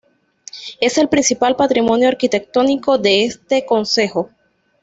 Es el principal patrimonio arquitectónico de este concejo.